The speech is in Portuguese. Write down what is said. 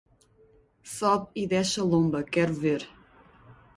Sobe e desce a lomba, quero ver